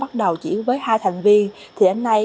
bắt đầu chỉ với hai thành viên thì đến nay